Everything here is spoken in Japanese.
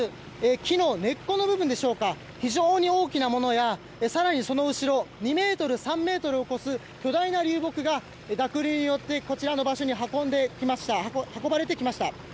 木の根っこの部分でしょうか非常に大きなものや更に、その後ろ２ｍ、３ｍを超す巨大な流木が濁流によって、こちらの場所に運ばれてきました。